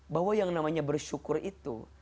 bahwa yang namanya bersyukur itu